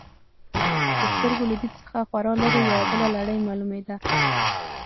د سترګو له دید څخه خورا لرې، یوه بله لړۍ معلومېده.